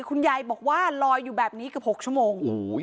คุณยายบอกว่าลอยอยู่แบบนี้เกือบ๖ชั่วโมง